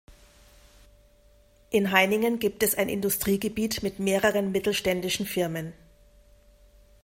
In Heiningen gibt es ein Industriegebiet mit mehreren mittelständischen Firmen.